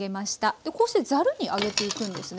でこうしてざるに上げていくんですね。